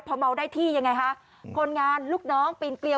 พอเมาได้ที่ยังไงคะคนงานลูกน้องปีนเกลียว